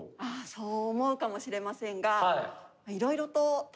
そう思うかもしれませんが。